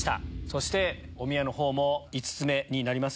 そしておみやの方も５つ目になります。